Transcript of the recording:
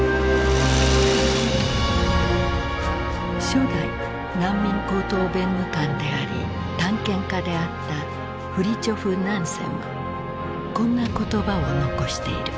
初代難民高等弁務官であり探検家であったフリチョフ・ナンセンはこんな言葉を残している。